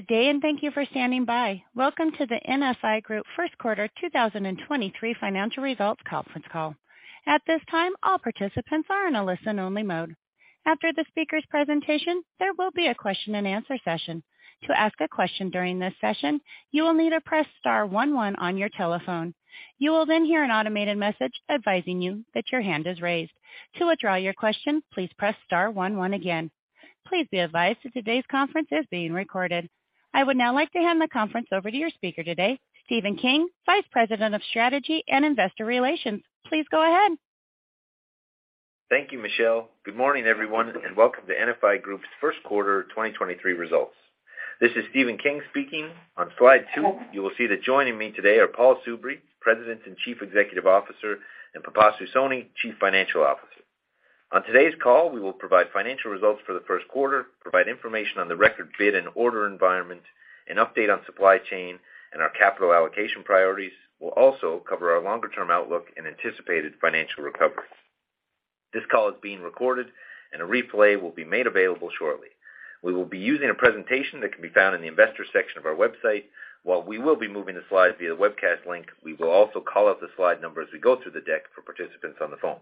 Good day. Thank you for standing by. Welcome to the NFI Group First Quarter 2023 Financial Results Conference Call. At this time, all participants are in a listen only mode. After the speaker's presentation, there will be a question and answer session. To ask a question during this session, you will need to press star one one on your telephone. You will then hear an automated message advising you that your hand is raised. To withdraw your question, please press star one one again. Please be advised that today's conference is being recorded. I would now like to hand the conference over to your speaker today, Stephen King, Vice President of Strategy and Investor Relations. Please go ahead. Thank you, Michelle. Good morning, everyone, and welcome to NFI Group's first quarter 2023 results. This is Stephen King speaking. On slide two, you will see that joining me today are Paul Soubry, President and Chief Executive Officer, and Pipasu Soni, Chief Financial Officer. On today's call, we will provide financial results for the first quarter, provide information on the record bid and order environment, an update on supply chain and our capital allocation priorities. We'll also cover our longer term outlook and anticipated financial recovery. This call is being recorded and a replay will be made available shortly. We will be using a presentation that can be found in the investor section of our website. While we will be moving the slides via webcast link, we will also call out the slide number as we go through the deck for participants on the phone.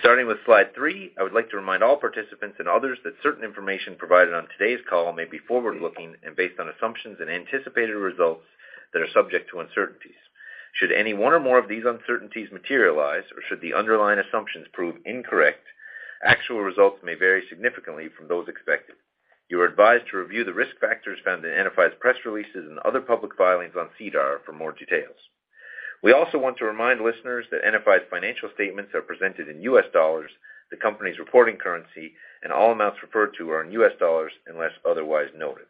Starting with slide three, I would like to remind all participants and others that certain information provided on today's call may be forward-looking and based on assumptions and anticipated results that are subject to uncertainties. Should any one or more of these uncertainties materialize, or should the underlying assumptions prove incorrect, actual results may vary significantly from those expected. You are advised to review the risk factors found in NFI's press releases and other public filings on SEDAR for more details. We also want to remind listeners that NFI's financial statements are presented in U.S. dollars, the company's reporting currency, and all amounts referred to are in U.S. dollars unless otherwise noted.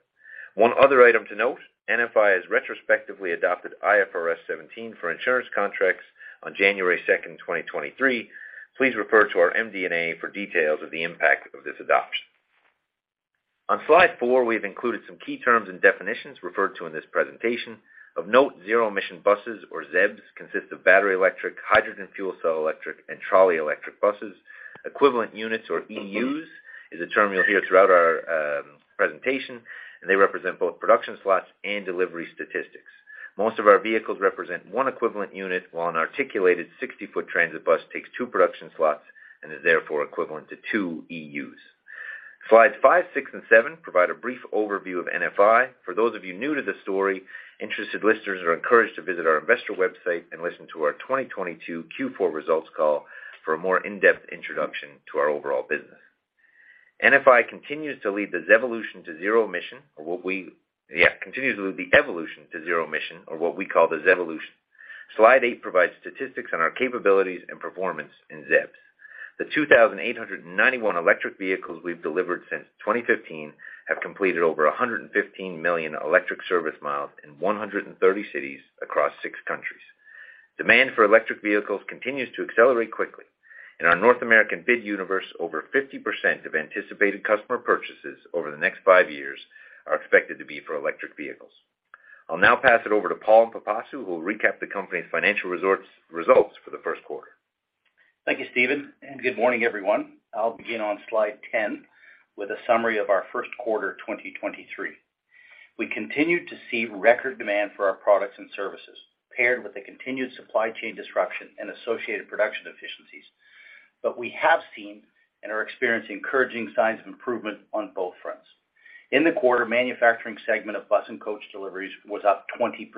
One other item to note, NFI has retrospectively adopted IFRS 17 for insurance contracts on January 2, 2023. Please refer to our MD&A for details of the impact of this adoption. On slide four, we've included some key terms and definitions referred to in this presentation. Of note, zero emission buses or ZEBs consist of battery, electric, hydrogen fuel cell, electric and trolley electric buses. Equivalent units or EUs is a term you'll hear throughout our presentation, and they represent both production slots and delivery statistics. Most of our vehicles represent one equivalent unit, while an articulated 60-foot transit bus takes two production slots and is therefore equivalent to two EUs. Slides five, six and seven provide a brief overview of NFI. For those of you new to the story, interested listeners are encouraged to visit our investor website and listen to our 2022 Q4 results call for a more in-depth introduction to our overall business. NFI continues to lead the ZEvolution to zero emission, or what we call the ZEvolution. Slide eight provides statistics on our capabilities and performance in ZEBs. The 2,891 electric vehicles we've delivered since 2015 have completed over 115 million electric service miles in 130 cities across 6 countries. Demand for electric vehicles continues to accelerate quickly. In our North American bid universe, over 50% of anticipated customer purchases over the next 5 years are expected to be for electric vehicles. I'll now pass it over to Paul and Pipasu, who will recap the company's financial results for the first quarter. Thank you, Stephen. Good morning, everyone. I'll begin on slide 10 with a summary of our first quarter 2023. We continued to see record demand for our products and services, paired with a continued supply chain disruption and associated production efficiencies. We have seen and are experiencing encouraging signs of improvement on both fronts. In the quarter, manufacturing segment of bus and coach deliveries was up 20%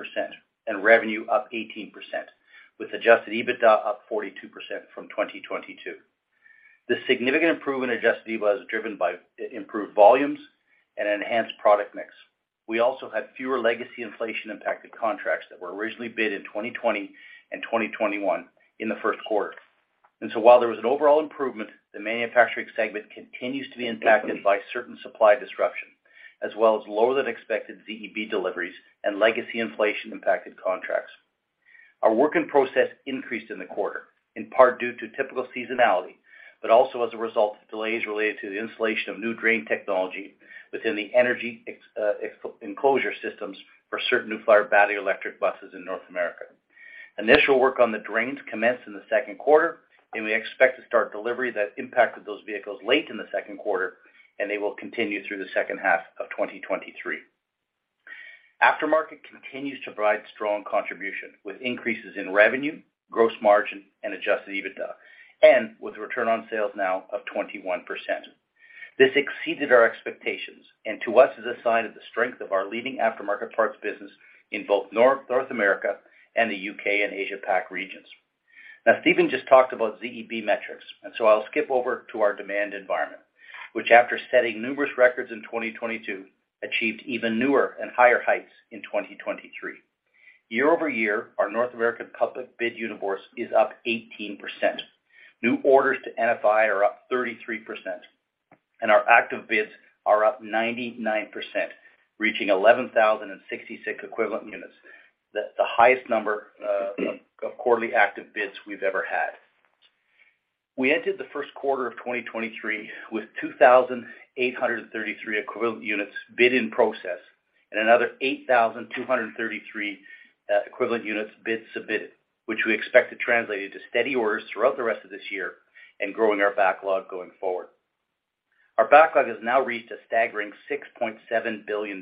and revenue up 18%, with Adjusted EBITDA up 42% from 2022. This significant improvement in Adjusted EBITDA is driven by improved volumes and enhanced product mix. We also had fewer legacy inflation impacted contracts that were originally bid in 2020 and 2021 in the first quarter. While there was an overall improvement, the manufacturing segment continues to be impacted by certain supply disruption as well as lower than expected ZEB deliveries and legacy inflation impacted contracts. Our work in process increased in the quarter, in part due to typical seasonality, but also as a result of delays related to the installation of new drain technology within the energy enclosure systems for certain New Flyer battery electric buses in North America. Initial work on the drains commenced in the second quarter, and we expect to start delivery that impacted those vehicles late in the second quarter, and they will continue through the second half of 2023. Aftermarket continues to provide strong contribution with increases in revenue, gross margin and Adjusted EBITDA and with return on sales now of 21%. This exceeded our expectations and to us is a sign of the strength of our leading aftermarket parts business in both North America and the UK and Asia PAC regions. Now, Stephen just talked about ZEB metrics, I'll skip over to our demand environment, which after setting numerous records in 2022, achieved even newer and higher heights in 2023. Year-over-year, our North American public bid universe is up 18%. New orders to NFI are up 33%, our active bids are up 99%, reaching 11,066 equivalent units. The highest number of quarterly active bids we've ever had. We entered the first quarter of 2023 with 2,833 equivalent units bid in process and another 8,233 equivalent units bids submitted, which we expect to translate into steady orders throughout the rest of this year. Growing our backlog going forward. Our backlog has now reached a staggering $6.7 billion,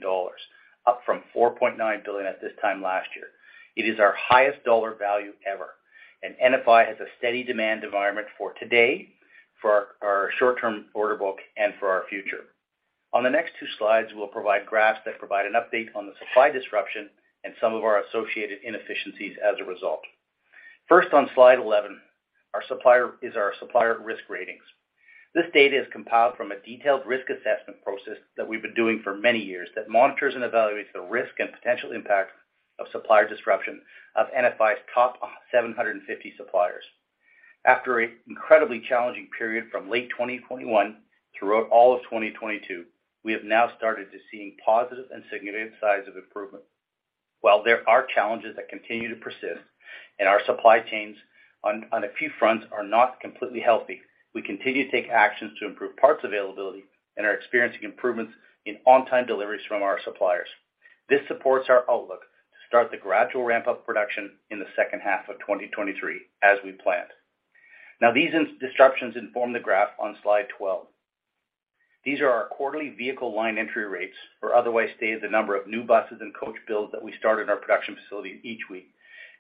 up from $4.9 billion at this time last year. It is our highest dollar value ever, and NFI has a steady demand environment for today, for our short-term order book, and for our future. On the next two slides, we'll provide graphs that provide an update on the supply disruption and some of our associated inefficiencies as a result. First, on slide 11, is our supplier risk ratings. This data is compiled from a detailed risk assessment process that we've been doing for many years that monitors and evaluates the risk and potential impact of supplier disruption of NFI's top 750 suppliers. After an incredibly challenging period from late 2021 throughout all of 2022, we have now started to seeing positive and significant signs of improvement. While there are challenges that continue to persist and our supply chains on a few fronts are not completely healthy, we continue to take actions to improve parts availability and are experiencing improvements in on-time deliveries from our suppliers. This supports our outlook to start the gradual ramp up production in the second half of 2023 as we planned. These disruptions inform the graph on slide 12. These are our quarterly vehicle line entry rates, or otherwise stated, the number of new buses and coach builds that we start in our production facility each week,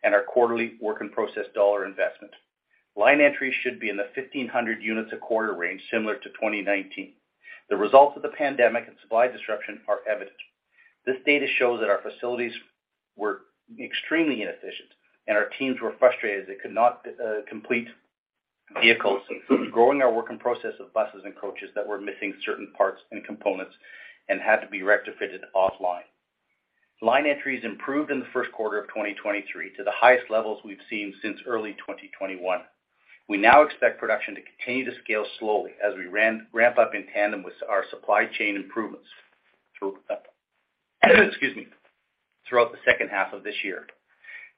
and our quarterly work in process dollar investment. Line entry should be in the 1,500 units a quarter range, similar to 2019. The results of the pandemic and supply disruption are evident. This data shows that our facilities were extremely inefficient and our teams were frustrated they could not complete vehicles, growing our work in process of buses and coaches that were missing certain parts and components and had to be retrofitted offline. Line entries improved in the first quarter of 2023 to the highest levels we've seen since early 2021. We now expect production to continue to scale slowly as we ramp up in tandem with our supply chain improvements through excuse me, throughout the second half of this year.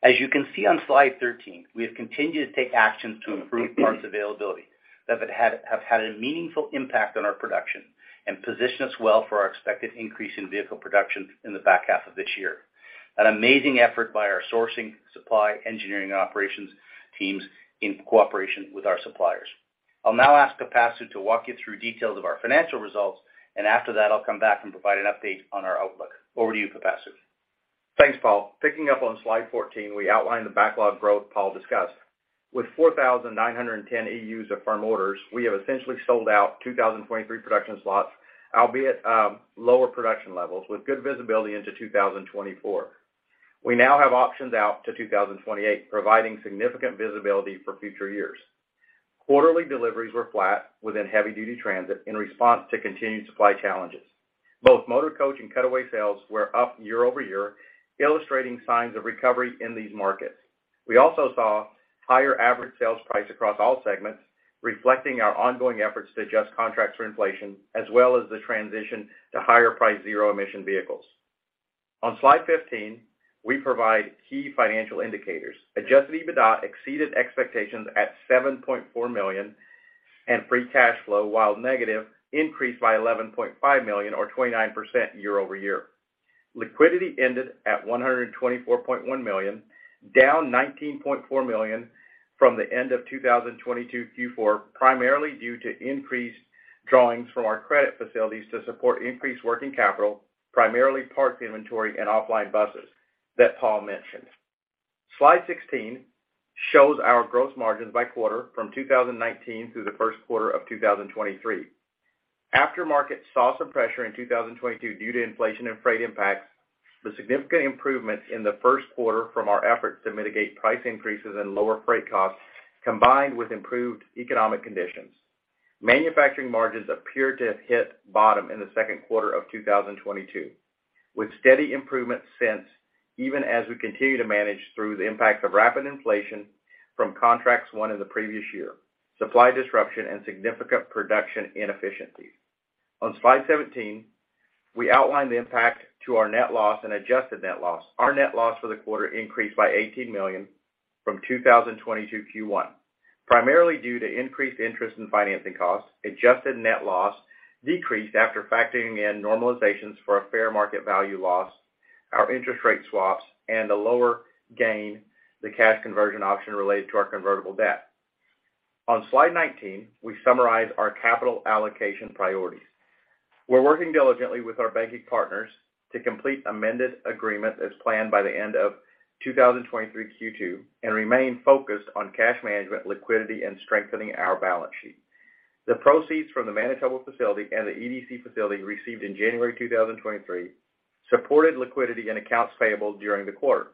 As you can see on slide 13, we have continued to take actions to improve parts availability that have had a meaningful impact on our production and position us well for our expected increase in vehicle production in the back half of this year. An amazing effort by our sourcing, supply, engineering, and operations teams in cooperation with our suppliers. I'll now ask Pipasu to walk you through details of our financial results, after that I'll come back and provide an update on our outlook. Over to you, Pipasu. Thanks, Paul. Picking up on slide 14, we outlined the backlog growth Paul discussed. With 4,910 EUs of firm orders, we have essentially sold out 2023 production slots, albeit lower production levels with good visibility into 2024. We now have options out to 2028, providing significant visibility for future years. Quarterly deliveries were flat within heavy-duty transit in response to continued supply challenges. Both motor coach and cutaway sales were up year-over-year, illustrating signs of recovery in these markets. We also saw higher average sales price across all segments, reflecting our ongoing efforts to adjust contracts for inflation, as well as the transition to higher priced zero-emission vehicles. On slide 15, we provide key financial indicators. Adjusted EBITDA exceeded expectations at $7.4 million, and free cash flow, while negative, increased by $11.5 million or 29% year-over-year. Liquidity ended at $124.1 million, down $19.4 million from the end of 2022 Q4, primarily due to increased drawings from our credit facilities to support increased working capital, primarily parts inventory and offline buses that Paul mentioned. Slide 16 shows our gross margins by quarter from 2019 through the first quarter of 2023. After market saw some pressure in 2022 due to inflation and freight impacts, the significant improvements in the first quarter from our efforts to mitigate price increases and lower freight costs combined with improved economic conditions. Manufacturing margins appear to have hit bottom in the second quarter of 2022, with steady improvements since, even as we continue to manage through the impacts of rapid inflation from contracts won in the previous year, supply disruption, and significant production inefficiencies. On slide 17, we outline the impact to our net loss and Adjusted Net Loss. Our net loss for the quarter increased by $18 million from 2022 Q1, primarily due to increased interest in financing costs. Adjusted Net Loss decreased after factoring in normalizations for a fair market value loss, our interest rate swaps, and a lower gain the cash conversion option related to our convertible debt. On slide 19, we summarize our capital allocation priorities. We're working diligently with our banking partners to complete amended agreement as planned by the end of 2023 Q2 and remain focused on cash management liquidity and strengthening our balance sheet. The proceeds from the Manitoba facility and the EDC facility received in January 2023 supported liquidity and accounts payable during the quarter.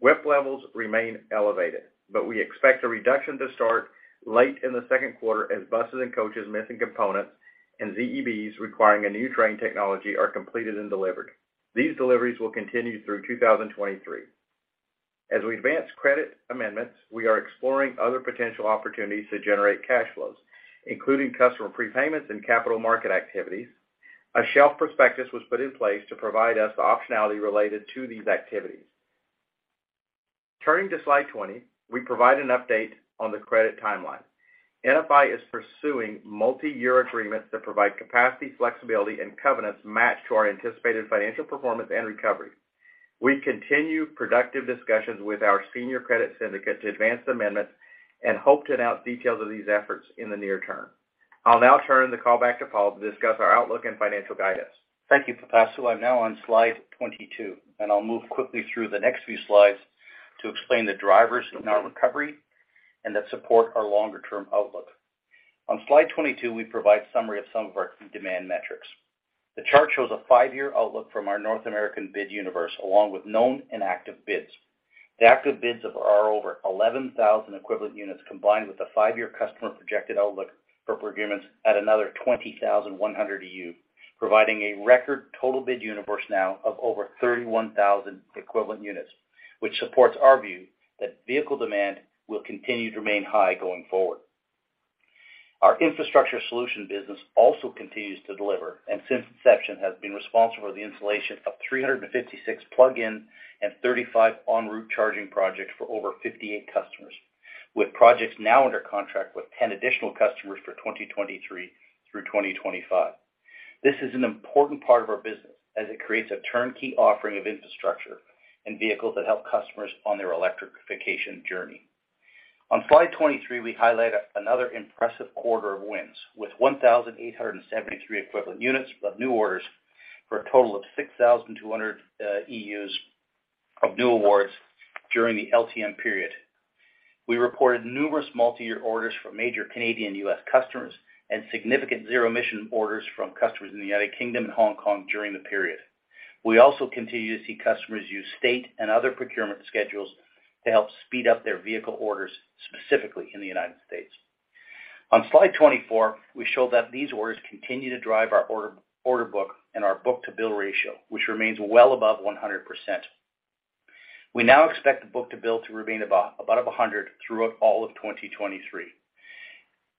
WIP levels remain elevated, but we expect a reduction to start late in the second quarter as buses and coaches missing components and ZEBs requiring a new drain technology are completed and delivered. These deliveries will continue through 2023. As we advance credit amendments, we are exploring other potential opportunities to generate cash flows, including customer prepayments and capital market activities. A shelf prospectus was put in place to provide us the optionality related to these activities. Turning to slide 20, we provide an update on the credit timeline. NFI is pursuing multi-year agreements that provide capacity, flexibility, and covenants matched to our anticipated financial performance and recovery. We continue productive discussions with our senior credit syndicate to advance amendments and hope to announce details of these efforts in the near term. I'll now turn the call back to Paul to discuss our outlook and financial guidance. Thank you, Pipasu. I'm now on slide 22. I'll move quickly through the next few slides to explain the drivers in our recovery and that support our longer-term outlook. On slide 22, we provide summary of some of our key demand metrics. The chart shows a 5-year outlook from our North American bid universe along with known and active bids. The active bids of our over 11,000 equivalent units, combined with the 5-year customer projected outlook for procurements at another 20,100 EU, providing a record total bid universe now of over 31,000 equivalent units, which supports our view that vehicle demand will continue to remain high going forward. Our infrastructure solution business also continues to deliver, and since inception, has been responsible for the installation of 356 plugin and 35 en route charging projects for over 58 customers, with projects now under contract with 10 additional customers for 2023 through 2025. This is an important part of our business as it creates a turnkey offering of infrastructure and vehicles that help customers on their electrification journey. On slide 23, we highlight another impressive quarter of wins with 1,873 equivalent units of new orders for a total of 6,200 EUs of new awards during the LTM period. We reported numerous multi-year orders from major Canadian U.S. customers and significant zero emission orders from customers in the United Kingdom and Hong Kong during the period. We also continue to see customers use state and other procurement schedules to help speed up their vehicle orders, specifically in the United States. On slide 24, we show that these orders continue to drive our order book and our book-to-bill ratio, which remains well above 100%. We now expect the book-to-bill to remain about 100% throughout all of 2023.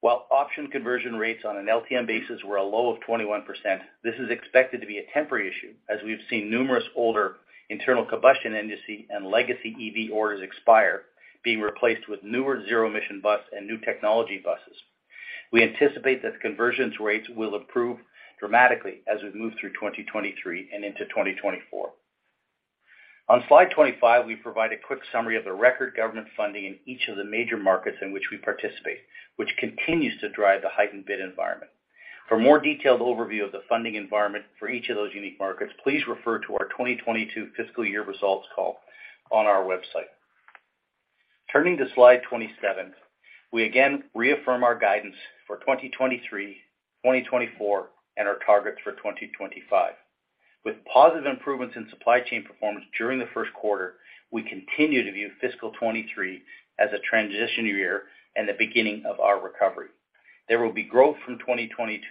While option conversions rates on an LTM basis were a low of 21%, this is expected to be a temporary issue as we've seen numerous older internal combustion industry and legacy EV orders expire, being replaced with newer zero emission bus and new technology buses. We anticipate that conversions rates will improve dramatically as we move through 2023 and into 2024. On slide 25, we provide a quick summary of the record government funding in each of the major markets in which we participate, which continues to drive the heightened bid environment. For more detailed overview of the funding environment for each of those unique markets, please refer to our 2022 fiscal year results call on our website. Turning to slide 27, we again reaffirm our guidance for 2023, 2024, and our targets for 2025. With positive improvements in supply chain performance during the first quarter, we continue to view fiscal 2023 as a transition year and the beginning of our recovery. There will be growth from 2022,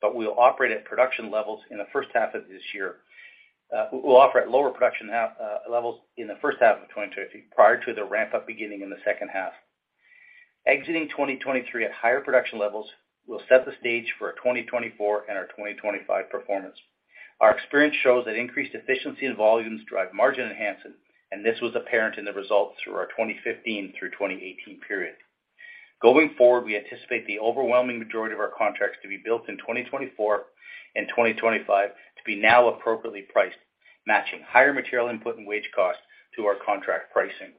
but we'll operate at production levels in the first half of this year. We'll operate at lower production half levels in the first half of 2023, prior to the ramp up beginning in the second half. Exiting 2023 at higher production levels will set the stage for our 2024 and our 2025 performance. Our experience shows that increased efficiency and volumes drive margin enhancement, and this was apparent in the results through our 2015 through 2018 period. Going forward, we anticipate the overwhelming majority of our contracts to be built in 2024 and 2025 to be now appropriately priced, matching higher material input and wage costs to our contract pricing.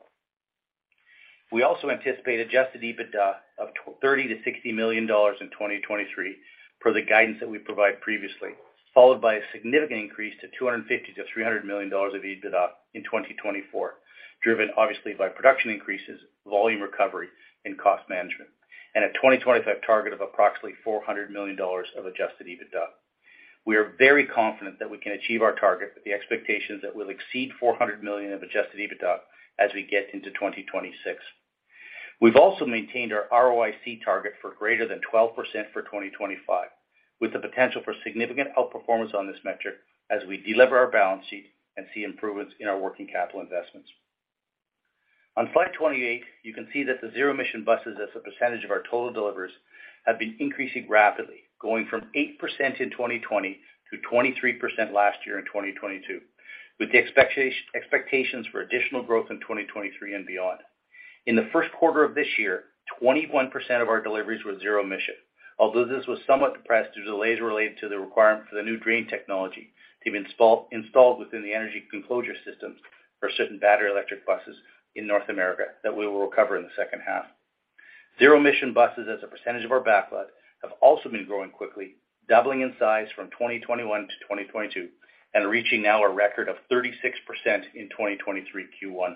We also anticipate Adjusted EBITDA of $30 million-$60 million in 2023 per the guidance that we provide previously, followed by a significant increase to $250 million-$300 million of EBITDA in 2024, driven obviously by production increases, volume recovery and cost management, and a 2025 target of approximately $400 million of Adjusted EBITDA. We are very confident that we can achieve our target with the expectations that we'll exceed $400 million of Adjusted EBITDA as we get into 2026. We've also maintained our ROIC target for greater than 12% for 2025, with the potential for significant outperformance on this metric as we delever our balance sheet and see improvements in our working capital investments. On slide 28, you can see that the zero emission buses as a percentage of our total deliveries have been increasing rapidly, going from 8% in 2020 to 23% last year in 2022, with the expectations for additional growth in 2023 and beyond. In the first quarter of this year, 21% of our deliveries were zero emission. Although this was somewhat depressed due to delays related to the requirement for the new drain technology to be installed within the energy enclosure systems for certain battery electric buses in North America that we will recover in the second half. Zero emission buses as a percentage of our backlog have also been growing quickly, doubling in size from 2021 to 2022 and reaching now a record of 36% in 2023 Q1.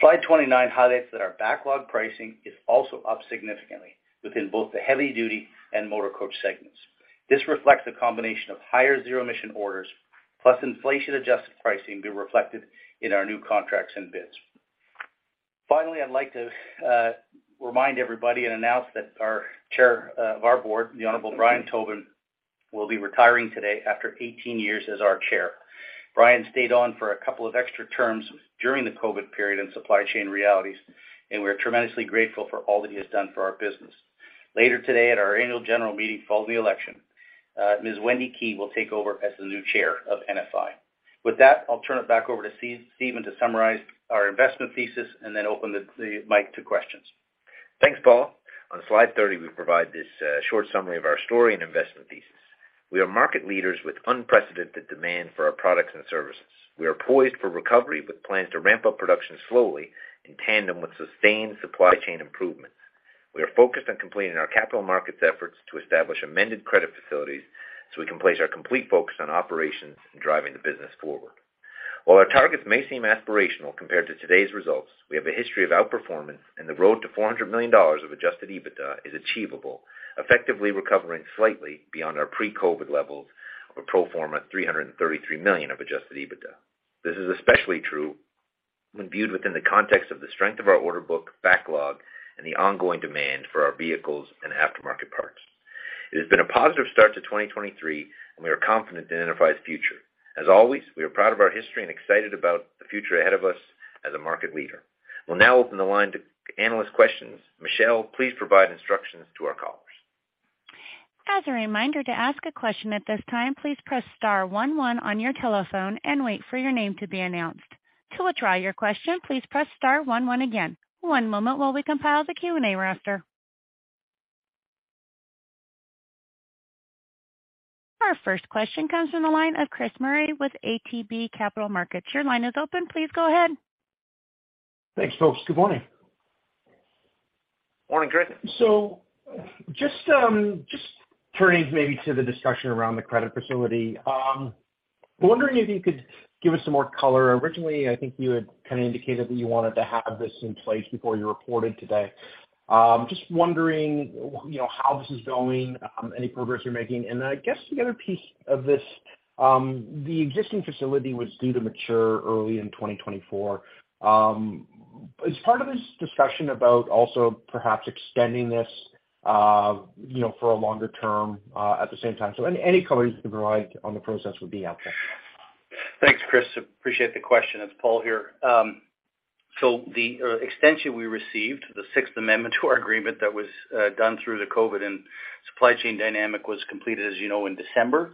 Slide 29 highlights that our backlog pricing is also up significantly within both the heavy duty and motor coach segments. This reflects a combination of higher zero-emission orders, plus inflation adjusted pricing being reflected in our new contracts and bids. Finally, I'd like to remind everybody and announce that our Chair of our board, the Honorable Brian Tobin, will be retiring today after 18 years as our Chair. Brian stayed on for a couple of extra terms during the COVID period and supply chain realities, and we're tremendously grateful for all that he has done for our business. Later today at our annual general meeting following the election, Ms. Wendy Kei will take over as the new Chair of NFI. With that, I'll turn it back over to Stephen to summarize our investment thesis and then open the mic to questions. Thanks, Paul. On slide 30, we provide this short summary of our story and investment thesis. We are market leaders with unprecedented demand for our products and services. We are poised for recovery with plans to ramp up production slowly in tandem with sustained supply chain improvements. We are focused on completing our capital markets efforts to establish amended credit facilities so we can place our complete focus on operations and driving the business forward. While our targets may seem aspirational compared to today's results, we have a history of outperformance, and the road to $400 million of Adjusted EBITDA is achievable, effectively recovering slightly beyond our pre-COVID levels of a pro forma $333 million of Adjusted EBITDA. This is especially true when viewed within the context of the strength of our order book backlog and the ongoing demand for our vehicles and aftermarket parts. It has been a positive start to 2023, and we are confident in NFI's future. As always, we are proud of our history and excited about the future ahead of us as a market leader. We'll now open the line to analyst questions. Michelle, please provide instructions to our callers. As a reminder, to ask a question at this time, please press star one one on your telephone and wait for your name to be announced. To withdraw your question, please press star one one again. One moment while we compile the Q&A roster. Our first question comes from the line of Chris Murray with ATB Capital Markets. Your line is open. Please go ahead. Thanks, folks. Good morning. Morning, Chris. Just turning maybe to the discussion around the credit facility, wondering if you could give us some more color. Originally, I think you had kinda indicated that you wanted to have this in place before you reported today. Just wondering you know, how this is going, any progress you're making. Then I guess the other piece of this, the existing facility was due to mature early in 2024. Is part of this discussion about also perhaps extending this, you know, for a longer term, at the same time? Any color you can provide on the process would be helpful. Thanks, Chris. Appreciate the question. It's Paul here. The extension we received, the sixth amendment to our agreement that was done through the COVID and supply chain dynamic was completed, as you know, in December,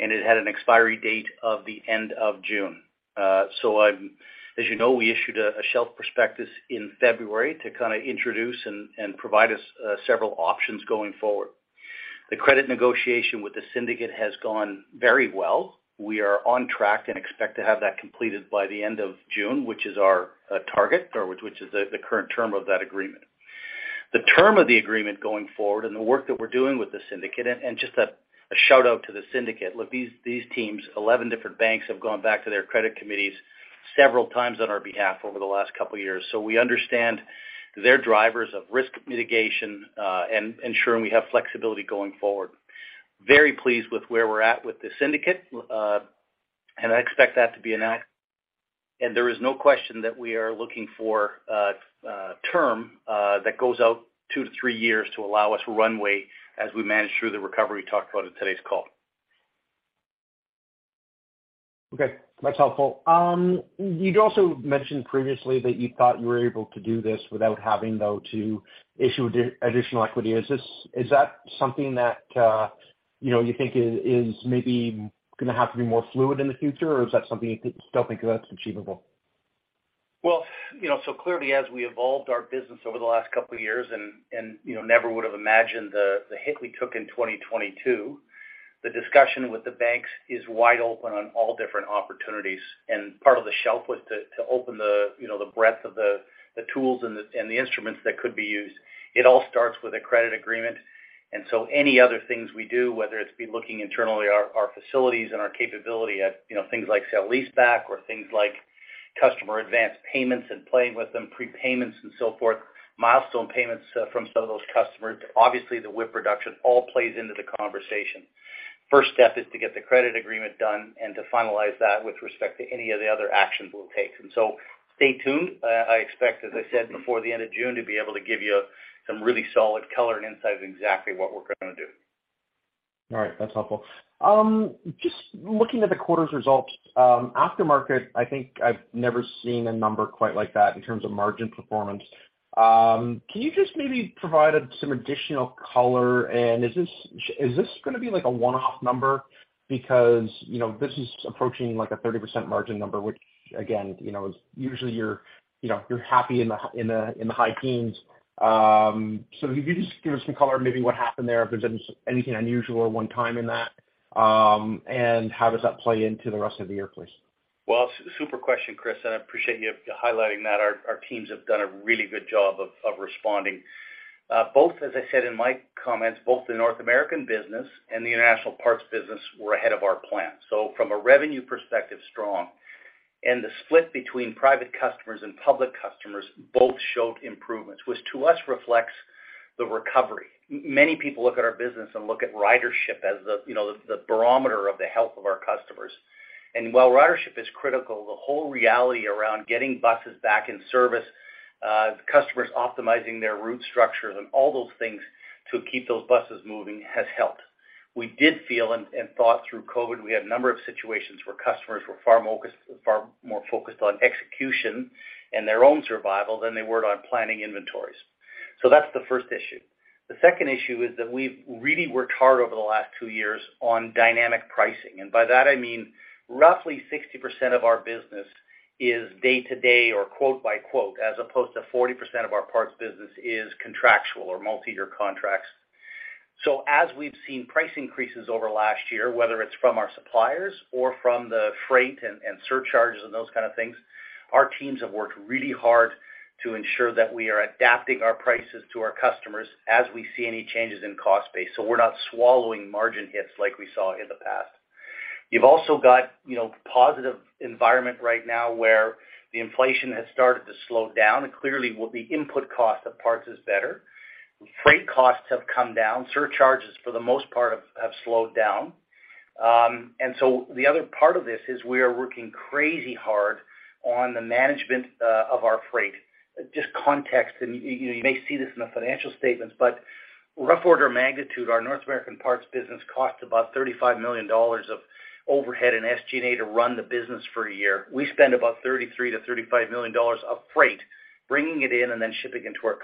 and it had an expiry date of the end of June. As you know, we issued a shelf prospectus in February to kinda introduce and provide us several options going forward. The credit negotiation with the syndicate has gone very well. We are on track and expect to have that completed by the end of June, which is our target or which is the current term of that agreement. The term of the agreement going forward and the work that we're doing with the syndicate and just a shout-out to the syndicate. Look, these teams, 11 different banks, have gone back to their credit committees several times on our behalf over the last couple of years. We understand their drivers of risk mitigation, and ensuring we have flexibility going forward. Very pleased with where we're at with the syndicate, and I expect that to be an act. There is no question that we are looking for a term that goes out 2-3 years to allow us runway as we manage through the recovery we talked about in today's call. Okay, that's helpful. You'd also mentioned previously that you thought you were able to do this without having, though, to issue additional equity. Is that something that, you know, you think is maybe gonna have to be more fluid in the future, or is that something you could still think of that's achievable? Well, you know, clearly as we evolved our business over the last couple of years and, you know, never would've imagined the hit we took in 2022, the discussion with the banks is wide open on all different opportunities. Part of the shelf was to open the, you know, the breadth of the tools and the, and the instruments that could be used. It all starts with a credit agreement, any other things we do, whether it's be looking internally our facilities and our capability at, you know, things like sale-leaseback or things like customer advanced payments and playing with them, prepayments and so forth, milestone payments from some of those customers, obviously the WIP reduction all plays into the conversation. First step is to get the credit agreement done and to finalize that with respect to any of the other actions we'll take. Stay tuned. I expect, as I said, before the end of June, to be able to give you some really solid color and insight of exactly what we're gonna do. All right. That's helpful. Just looking at the quarter's results, aftermarket, I think I've never seen a number quite like that in terms of margin performance. Can you just maybe provide some additional color? Is this gonna be like a one-off number? You know, this is approaching like a 30% margin number, which again, you know, is usually you're, you know, you're happy in the high teens. If you could just give us some color on maybe what happened there, if there's anything unusual or one time in that, and how does that play into the rest of the year, please? Well, super question, Chris, and I appreciate you highlighting that. Our teams have done a really good job of responding. Both, as I said in my comments, both the North American business and the international parts business were ahead of our plan. From a revenue perspective, strong. The split between private customers and public customers both showed improvements, which to us reflects the recovery. Many people look at our business and look at ridership as the, you know, the barometer of the health of our customers. While ridership is critical, the whole reality around getting buses back in service, customers optimizing their route structures and all those things to keep those buses moving has helped. We did feel and thought through COVID, we had a number of situations where customers were far more focused on execution and their own survival than they were on planning inventories. That's the first issue. The second issue is that we've really worked hard over the last two years on dynamic pricing, and by that I mean roughly 60% of our business is day to day or quote by quote, as opposed to 40% of our parts business is contractual or multiyear contracts. As we've seen price increases over last year, whether it's from our suppliers or from the freight and surcharges and those kind of things, our teams have worked really hard to ensure that we are adapting our prices to our customers as we see any changes in cost base. We're not swallowing margin hits like we saw in the past. You've also got, you know, positive environment right now where the inflation has started to slow down, and clearly the input cost of parts is better. Freight costs have come down. Surcharges, for the most part, have slowed down. The other part of this is we are working crazy hard on the management of our freight. Just context, and you, you may see this in the financial statements, but rough order of magnitude, our North American parts business costs about $35 million of overhead and SG&A to run the business for a year. We spend about $33 million-$35 million of freight, bringing it in and then shipping it to our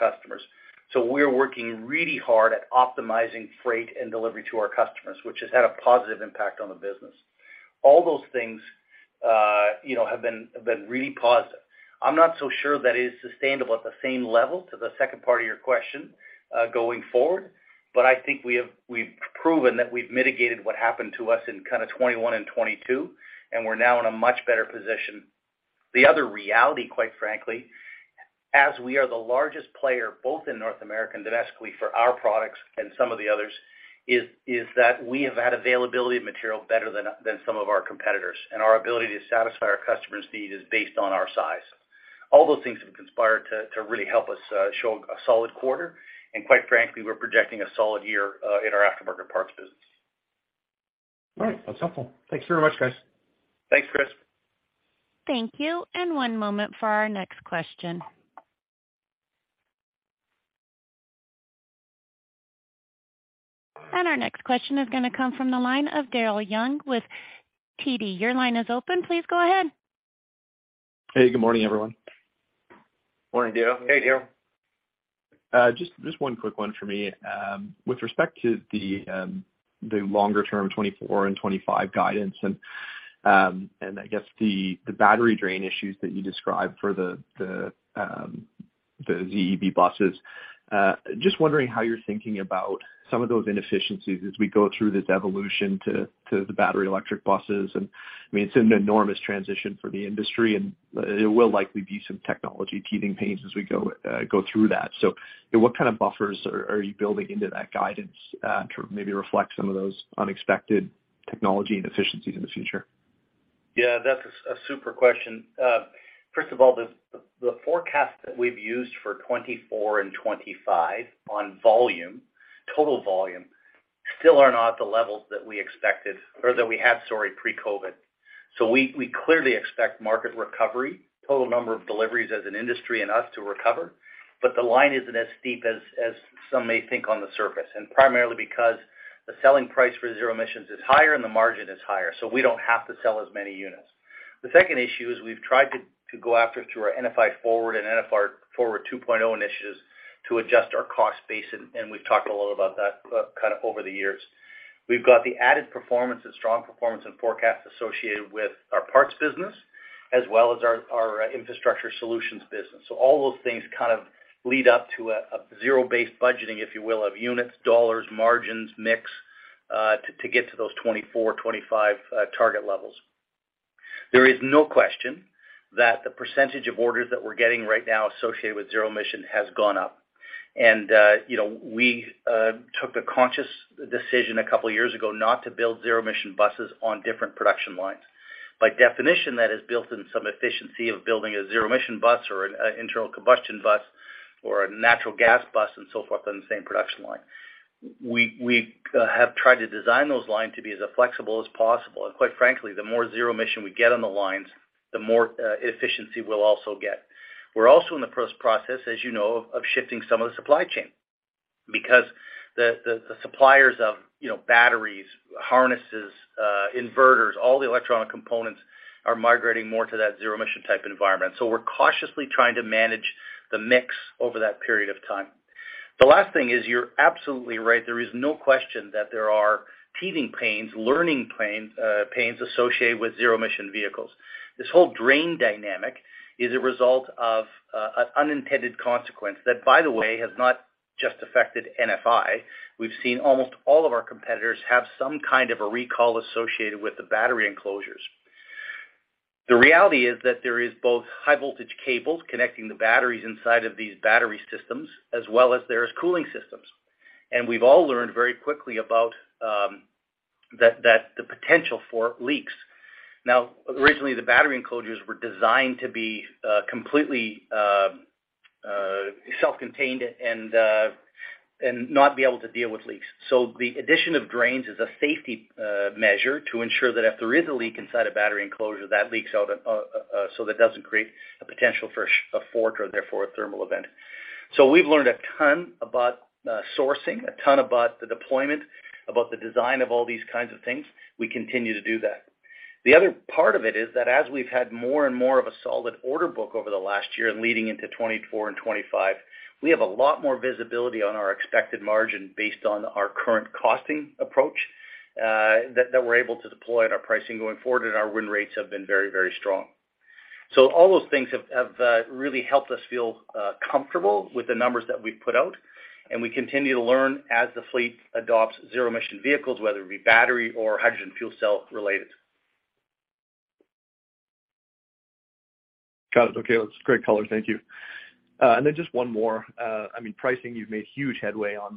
customers. We're working really hard at optimizing freight and delivery to our customers, which has had a positive impact on the business. All those things, you know, have been really positive. I'm not so sure that is sustainable at the same level to the second part of your question, going forward, I think we've proven that we've mitigated what happened to us in kind of 2021 and 2022, and we're now in a much better position. The other reality, quite frankly, as we are the largest player both in North America and domestically for our products and some of the others, is that we have had availability of material better than some of our competitors, and our ability to satisfy our customers' need is based on our size. All those things have conspired to really help us show a solid quarter, and quite frankly, we're projecting a solid year in our aftermarket parts business. All right. That's helpful. Thanks very much, guys. Thanks, Chris. Thank you, one moment for our next question. Our next question is gonna come from the line of Daryl Young with TD. Your line is open. Please go ahead. Hey, good morning, everyone. Morning, Daryl. Hey, Daryl. Just one quick one for me. With respect to the longer term 2024 and 2025 guidance and I guess the battery drain issues that you described for the ZEB buses, just wondering how you're thinking about some of those inefficiencies as we go through this evolution to the battery-electric buses. I mean, it's an enormous transition for the industry, and there will likely be some technology teething pains as we go through that. What kind of buffers are you building into that guidance to maybe reflect some of those unexpected technology inefficiencies in the future? Yeah, that's a super question. First of all, the forecast that we've used for 2024 and 2025 on volume, total volume, still are not the levels that we expected or that we had, sorry, pre-COVID. We clearly expect market recovery, total number of deliveries as an industry and us to recover, but the line isn't as steep as some may think on the surface. Primarily because the selling price for zero emissions is higher and the margin is higher, we don't have to sell as many units. The second issue is we've tried to go after through our NFI Forward and NFI Forward 2.0 initiatives to adjust our cost base. We've talked a little about that kind of over the years. We've got the added performance and strong performance and forecast associated with our parts business as well as our infrastructure solutions business. All those things kind of lead up to a zero-based budgeting, if you will, of units, dollars, margins, mix, to get to those 2024, 2025 target levels. There is no question that the percentage of orders that we're getting right now associated with zero emission has gone up. You know, we took the conscious decision a couple years ago not to build zero emission buses on different production lines. By definition, that has built in some efficiency of building a zero emission bus or an internal combustion bus or a natural gas bus and so forth on the same production line. We have tried to design those lines to be as flexible as possible. Quite frankly, the more zero-emission we get on the lines, the more efficiency we'll also get. We're also in the process, as you know, of shifting some of the supply chain because the suppliers of, you know, batteries, harnesses, inverters, all the electronic components are migrating more to that zero-emission type environment. We're cautiously trying to manage the mix over that period of time. The last thing is, you're absolutely right. There is no question that there are teething pains, learning pains associated with zero-emission vehicles. This whole drain dynamic is a result of an unintended consequence that, by the way, has not just affected NFI. We've seen almost all of our competitors have some kind of a recall associated with the battery enclosures? The reality is that there is both high voltage cables connecting the batteries inside of these battery systems, as well as there is cooling systems. We've all learned very quickly about that the potential for leaks. Originally, the battery enclosures were designed to be completely self-contained and not be able to deal with leaks. The addition of drains is a safety measure to ensure that if there is a leak inside a battery enclosure, that leaks out so that doesn't create a potential for a short or therefore a thermal event. We've learned a ton about sourcing, a ton about the deployment, about the design of all these kinds of things. We continue to do that. The other part of it is that as we've had more and more of a solid order book over the last year and leading into 2024 and 2025, we have a lot more visibility on our expected margin based on our current costing approach, that we're able to deploy in our pricing going forward, and our win rates have been very, very strong. All those things have really helped us feel comfortable with the numbers that we've put out, and we continue to learn as the fleet adopts zero-emission vehicles, whether it be battery or hydrogen fuel cell related. Got it. Okay. That's great color. Thank you. Then just one more, I mean, pricing, you've made huge headway on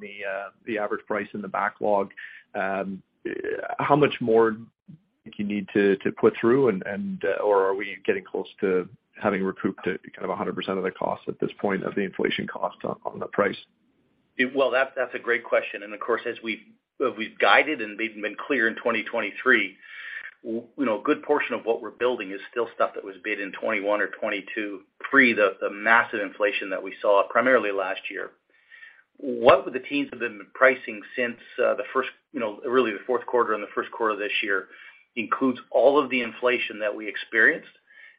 the average price in the backlog. How much more do you need to put through and, or are we getting close to having recouped kind of 100% of the cost at this point of the inflation cost on the price? Well, that's a great question. Of course, as we've guided and been clear in 2023, you know, a good portion of what we're building is still stuff that was bid in 2021 or 2022, pre the massive inflation that we saw primarily last year. What the teams have been pricing since the first, you know, really the fourth quarter and the first quarter of this year includes all of the inflation that we experienced,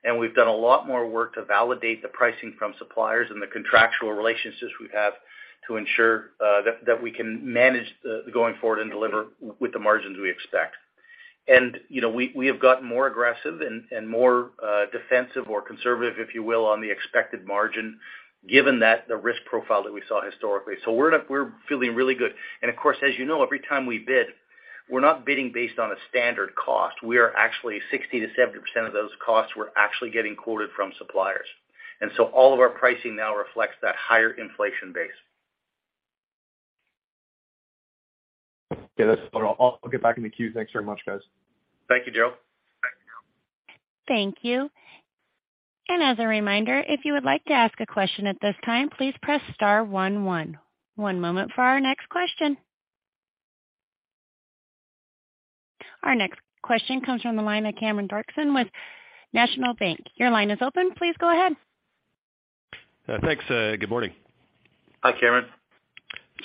and we've done a lot more work to validate the pricing from suppliers and the contractual relationships we have to ensure that we can manage going forward and deliver with the margins we expect. You know, we have gotten more aggressive and more defensive or conservative, if you will, on the expected margin, given that the risk profile that we saw historically. We're feeling really good. Of course, as you know, every time we bid, we're not bidding based on a standard cost. We are actually 60%-70% of those costs we're actually getting quoted from suppliers. All of our pricing now reflects that higher inflation base. Okay, that's all. I'll get back in the queue. Thanks very much, guys. Thank you, Daryl. Thank you. As a reminder, if you would like to ask a question at this time, please press star 1. One moment for our next question. Our next question comes from the line of Cameron Doerksen with National Bank. Your line is open. Please go ahead. Thanks. Good morning. Hi, Cameron.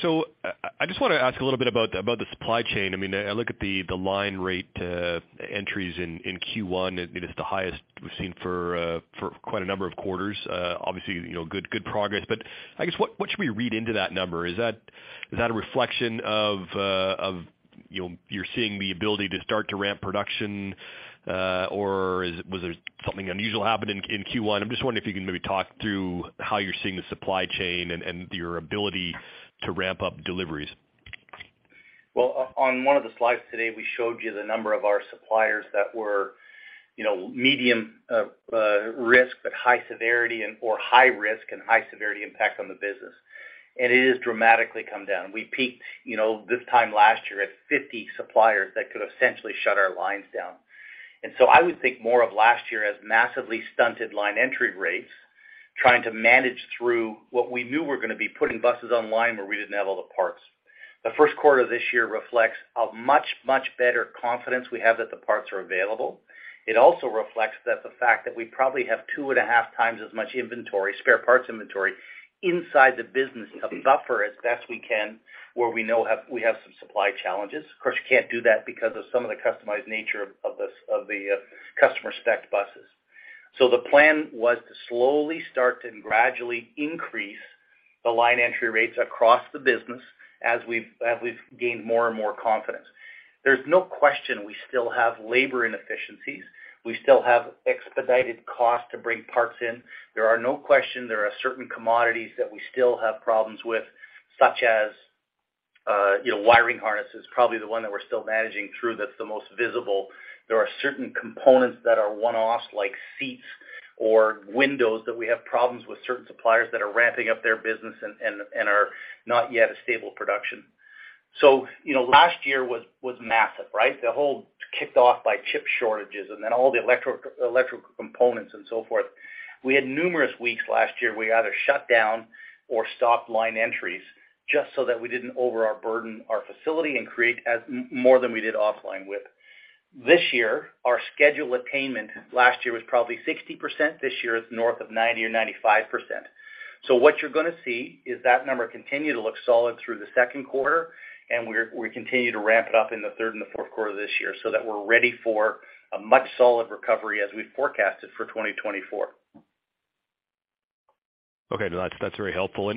I just wanna ask a little bit about the supply chain. I mean, I look at the line rate entries in Q1. It is the highest we've seen for quite a number of quarters. Obviously, you know, good progress. I guess what should we read into that number? Is that, is that a reflection of, you know, you're seeing the ability to start to ramp production, or was there something unusual happened in Q1? I'm just wondering if you can maybe talk through how you're seeing the supply chain and your ability to ramp up deliveries. Well, on one of the slides today, we showed you the number of our suppliers that were, you know, medium, risk, but high severity and or high risk and high severity impact on the business. It has dramatically come down. We peaked, you know, this time last year at 50 suppliers that could have essentially shut our lines down. I would think more of last year as massively stunted line entry rates, trying to manage through what we knew were gonna be putting buses online, but we didn't have all the parts. The first quarter of this year reflects a much, much better confidence we have that the parts are available. It also reflects that the fact that we probably have 2.5x as much inventory, spare parts inventory inside the business to buffer as best we can, where we know we have some supply challenges. Of course, you can't do that because of some of the customized nature of the customer spec buses. The plan was to slowly start to gradually increase the line entry rates across the business as we've, as we've gained more and more confidence. There's no question we still have labor inefficiencies. We still have expedited costs to bring parts in. There are no question there are certain commodities that we still have problems with, such as, you know, wiring harnesses, probably the one that we're still managing through that's the most visible. There are certain components that are one-off, like seats or windows, that we have problems with certain suppliers that are ramping up their business and are not yet a stable production. You know, last year was massive, right? The whole kicked off by chip shortages and then all the electro-electrical components and so forth. We had numerous weeks last year we either shut down or stopped line entries just so that we didn't overburden our facility and create as more than we did offline with. This year, our schedule attainment last year was probably 60%, this year is north of 90% or 95%. What you're gonna see is that number continue to look solid through the second quarter, and we continue to ramp it up in the third and the fourth quarter of this year so that we're ready for a much solid recovery as we forecasted for 2024. Okay. No, that's very helpful.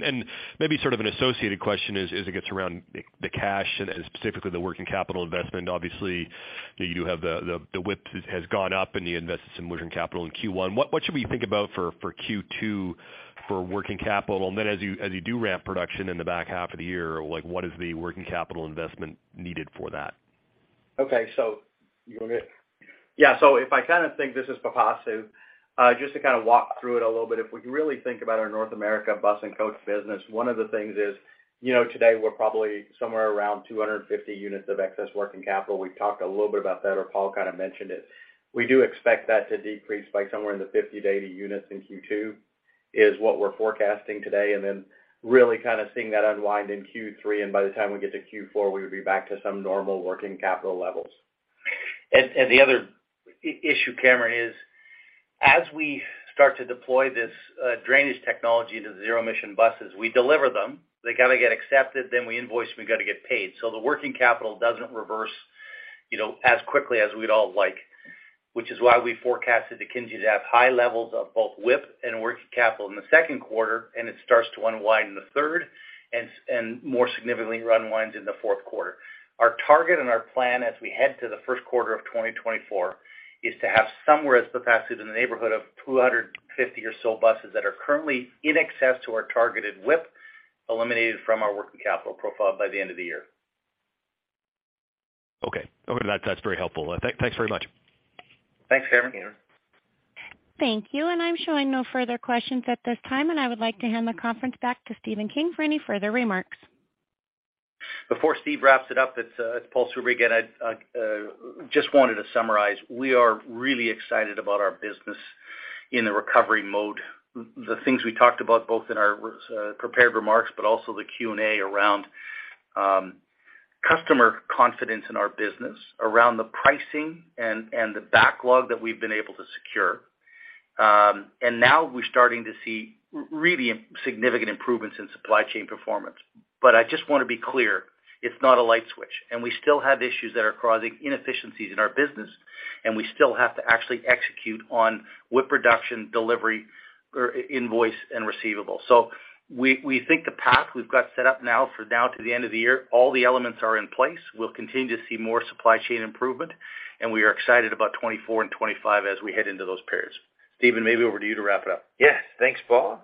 Maybe sort of an associated question, it gets around the cash and specifically the working capital investment. Obviously, you do have the WIP has gone up and you invested some working capital in Q1. What should we think about for Q2 for working capital? As you do ramp production in the back half of the year, like what is the working capital investment needed for that? You want me? If I kind of think, this is for Pipasu, just to kind of walk through it a little bit, if we really think about our North America bus and coach business, one of the things is, you know, today we're probably somewhere around 250 units of excess working capital. We've talked a little bit about that, or Paul kind of mentioned it. We do expect that to decrease by somewhere in the 50-80 units in Q2, is what we're forecasting today. Really kind of seeing that unwind in Q3, and by the time we get to Q4, we would be back to some normal working capital levels. The other issue, Cameron, is, as we start to deploy this drain technology to the zero-emission buses, we deliver them, they gotta get accepted, we invoice, we gotta get paid. The working capital doesn't reverse, you know, as quickly as we'd all like, which is why we forecasted the contingency to have high levels of both WIP and working capital in the second quarter, and it starts to unwind in the third and more significantly unwind in the fourth quarter. Our target and our plan as we head to the first quarter of 2024, is to have somewhere as capacity in the neighborhood of 250 or so buses that are currently in excess to our targeted WIP eliminated from our working capital profile by the end of the year. Okay, that's very helpful. Thanks very much. Thanks, Cameron. Thank you. I'm showing no further questions at this time. I would like to hand the conference back to Stephen King for any further remarks. Before Stephen wraps it up, it's Paul Soubry again. I just wanted to summarize, we are really excited about our business in the recovery mode. The things we talked about both in our prepared remarks, but also the Q&A around customer confidence in our business, around the pricing and the backlog that we've been able to secure. Now we're starting to see really significant improvements in supply chain performance. I just wanna be clear, it's not a light switch, and we still have issues that are causing inefficiencies in our business, and we still have to actually execute on WIP reduction, delivery, or invoice, and receivable. We think the path we've got set up now for now to the end of the year, all the elements are in place. We'll continue to see more supply chain improvement. We are excited about 2024 and 2025 as we head into those periods. Stephen, maybe over to you to wrap it up. Yes. Thanks, Paul.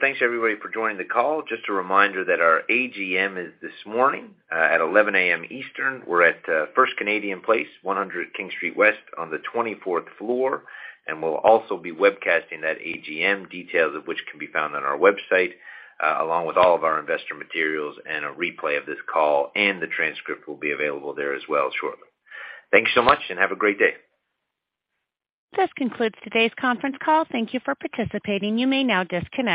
Thanks everybody for joining the call. Just a reminder that our AGM is this morning at 11:00 A.M. Eastern. We're at First Canadian Place, 100 King Street West on the 24th floor. We'll also be webcasting that AGM. Details of which can be found on our website, along with all of our investor materials and a replay of this call. The transcript will be available there as well shortly. Thank you so much. Have a great day. This concludes today's conference call. Thank you for participating. You may now disconnect.